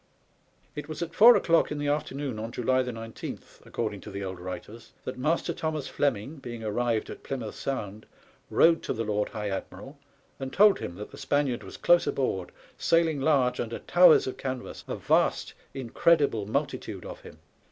It was at four o'clock in the afternoon on July 19, according to the old writers, that Master Thomas Fleming, being arrived at Plymouth Sound, rowed to the Lord High Admiral and told him that the Spaniard was close aboard, sailing large under towers of canvas, a vast, incredible multitude of him.